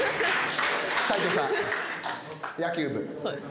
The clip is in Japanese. そうです。